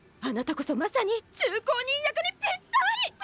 あなたこそまさに通行人役にぴったり！